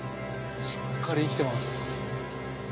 しっかり生きてます。